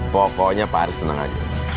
pokoknya pak aris tenang aja